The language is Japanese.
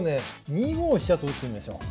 ２五飛車と打ってみましょう。